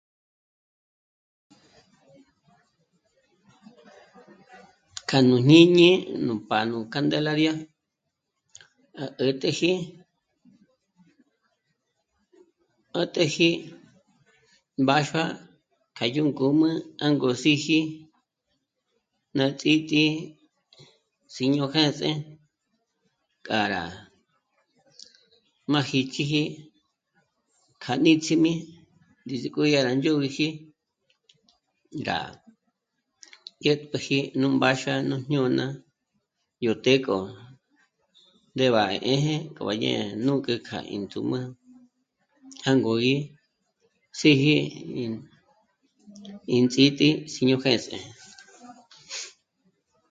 K'anu jñíñi nú pa nú Candelaria à 'ä̀t'äji, 'ä̀t'äji mbáxua k'a yó ngǔm'ü jângo síji ná Ts'ítǐ'i Síño jêns'e k'a rá má jíchiji k'a níts'imi ndízik'o dyá rá dyö̀biji, rá dy'ä̀t'péji nú mbáxua nú jñôna yó të́'ë k'o ndé b'á 'ḗjē k'o b'á dyé nǔk'ü já índzǔm'ü jângo gí síji ín... ín Ts'ítǐ'i Síño jêns'e